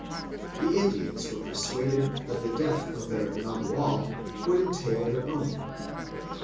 The Indians were persuaded that the death of their nagual would entail their own.